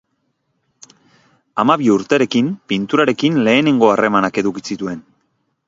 Hamabi urterekin pinturarekin lehenengo harremanak eduki zituen.